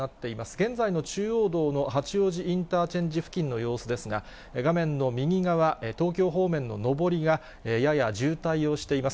現在の中央道の八王子インターチェンジ付近の様子ですが、画面の右側、東京方面の上りがやや渋滞をしています。